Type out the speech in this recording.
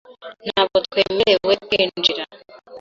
Ntabwo twemerewe kwinjira .